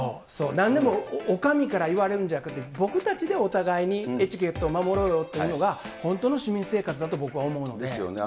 なんでも、お上から言われるんじゃなくて、僕たちでお互いにエチケットを守ろうよっていうのが、本当の市民生活だと僕は思うんで。ですよね。